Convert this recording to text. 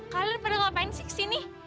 kalian pernah ngapain sih kesini